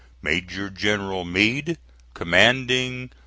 MAJOR GENERAL MEADE, Commanding A.